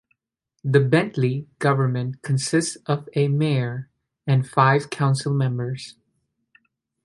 The Bentley government consists of a mayor and five council members.